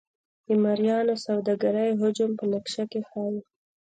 د مریانو د سوداګرۍ حجم په نقشه کې ښيي.